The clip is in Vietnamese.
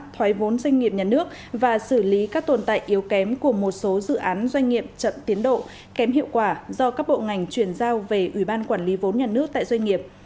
thoái vốn doanh nghiệp nhà nước và xử lý các tồn tại yếu kém của một số dự án doanh nghiệp chậm tiến độ kém hiệu quả do các bộ ngành chuyển giao về ủy ban quản lý vốn nhà nước tại doanh nghiệp